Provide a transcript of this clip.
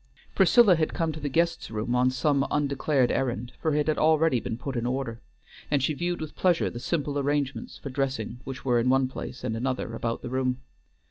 Priscilla had come to the guest's room on some undeclared errand, for it had already been put in order, and she viewed with pleasure the simple arrangements for dressing which were in one place and another about the room.